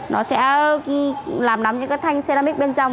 nó sẽ làm nóng những cái thanh ceramic bên trong